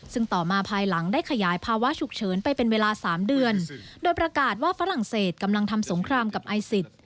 ซึ่งต่อมาภายหลังได้ขยายภาวะฉุกเฉินไปเป็นเวลาสามเดือนโดยประกาศว่าฝรั่งเศสกำลังทำสงครามกับไอซิส